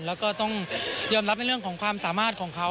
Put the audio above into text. แล้วก็ต้องยอมรับในเรื่องของความสามารถของเขา